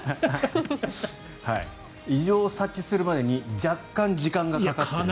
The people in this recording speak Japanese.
異常を察知するまでに若干時間がかかってる。